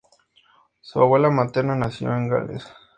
Su abuela materna nació en Gales.